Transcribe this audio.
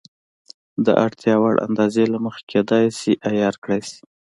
د اړتیا وړ اندازې له مخې کېدای شي عیار کړای شي.